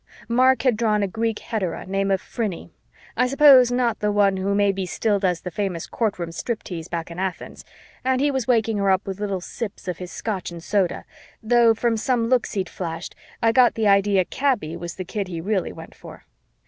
Mark had drawn a Greek hetaera, name of Phryne; I suppose not the one who maybe still does the famous courtroom striptease back in Athens, and he was waking her up with little sips of his scotch and soda, though, from some looks he'd flashed, I got the idea Kaby was the kid he really went for.